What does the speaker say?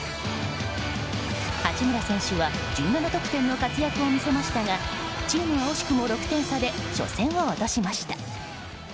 八村選手は１７得点の活躍を見せましたがチームは惜しくも６点差で初戦を落としました。